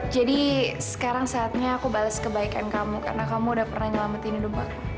jadi sekarang saatnya aku bales kebaikan kamu karena kamu udah pernah ngelamatin hidup aku